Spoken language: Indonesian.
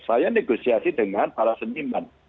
saya negosiasi dengan para seniman